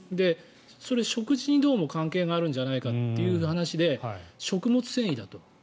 それ、食事にどうも関係があるんじゃないかという話で食物繊維だと。